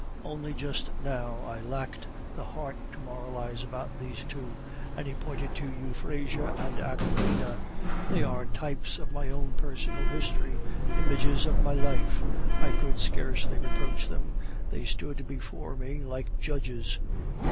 Only just now I lacked the heart to moralize about those two," and he pointed to Euphrasia and Aquilina. "They are types of my own personal history, images of my life! I could scarcely reproach them; they stood before me like judges.